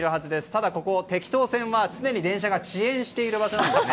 ただ、ここてきと線常に電車が遅延している場所です。